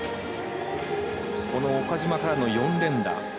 岡島からの４連打。